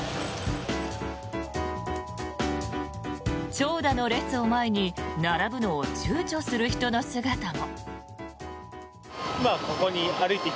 長蛇の列を前に並ぶのを躊躇する人の姿も。